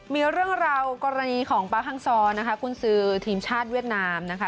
มีเรื่องราวกรณีของป๊าฮังซอร์นะคะคุณซื้อทีมชาติเวียดนามนะคะ